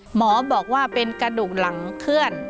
หมอบอกว่าเป็นกระดูกหลังเคลื่อน